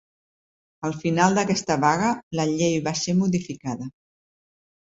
Al final d'aquesta vaga la llei va ser modificada.